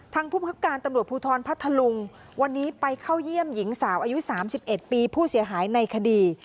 ผู้บังคับการตำรวจภูทรพัทธลุงวันนี้ไปเข้าเยี่ยมหญิงสาวอายุ๓๑ปีผู้เสียหายในคดี